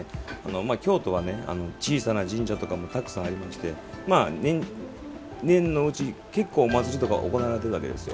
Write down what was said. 京都は、小さな神社とかもたくさんありまして年のうち、結構、祭りとか行われているわけです。